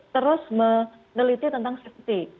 terus meneliti tentang safety